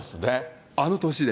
あの年で。